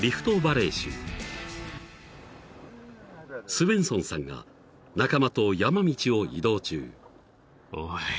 ［スウェンソンさんが仲間と山道を移動中］